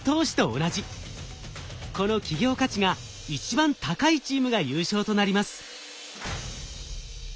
この企業価値が一番高いチームが優勝となります。